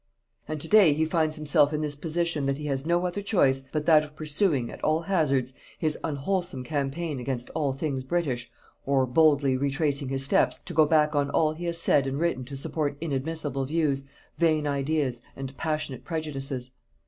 And to day he finds himself in this position that he has no other choice but that of pursuing, at all hazards, his unwholesome campaign against all things British, or, boldly retracing his steps, to go back on all he has said and written to support inadmissible views, vain ideas, and passionate prejudices.